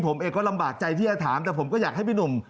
ผมเองก็ลำบากใจที่จะถามแต่ผมก็อยากให้พี่หนุ่ม